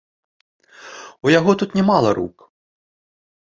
У яго тут не мала рук.